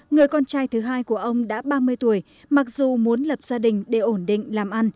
người con trai thứ hai của ông đã ba mươi tuổi mặc dù muốn lập gia đình để ổn định làm ăn